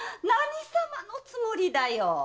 何さまのつもりだよ？